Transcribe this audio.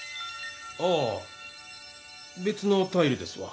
ああべつのタイルですわ。